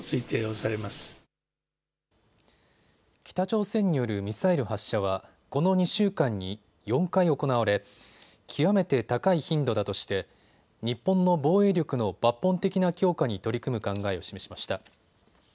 北朝鮮によるミサイル発射はこの２週間に４回行われ極めて高い頻度だとして日本の防衛力の抜本的な強化に取り組む考えを示しました。